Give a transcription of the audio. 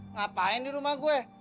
ngapain di rumah gue